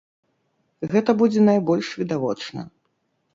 Гэта будзе найбольш відавочна.